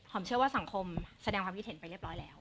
เชื่อว่าสังคมแสดงความคิดเห็นไปเรียบร้อยแล้ว